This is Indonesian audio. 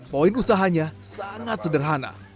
poin usahanya sangat sederhana